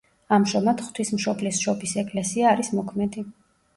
ამჟამად ღვთისმშობლის შობის ეკლესია არის მოქმედი.